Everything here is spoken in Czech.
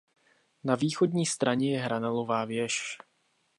Na východní straně je hranolová věž.